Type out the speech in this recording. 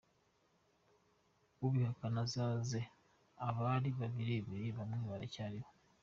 Ubihakana azabaze abali bahibereye bamwe baracyaliho.